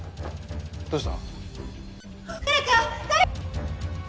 どうした？